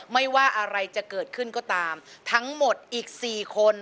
ไม่ว่าอะไรจะเกิดขึ้นก็ตามทั้งหมดอีก๔คน